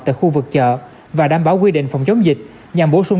tại khu vực chợ và đảm bảo quy định phòng chống dịch nhằm bổ sung